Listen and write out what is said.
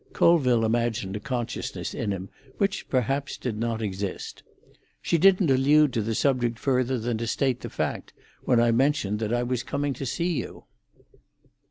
Colville imagined a consciousness in him, which perhaps did not exist. "She didn't allude to the subject further than to state the fact, when I mentioned that I was coming to see you."